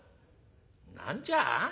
「何じゃ？